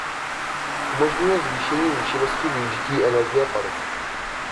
Umožňuje zvýšení účinnosti využití energie paliv.